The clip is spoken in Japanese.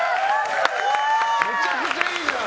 めちゃくちゃいいじゃん。